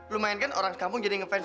lu mau ngapain disini